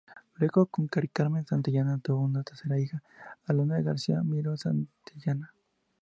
Luego, con Maricarmen Santillana tuvo a su tercera hija, Alondra García Miró Santillana.